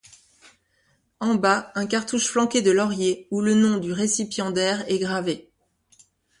En bas, un cartouche flanqué de lauriers où le nom du récipiendaire est gravé.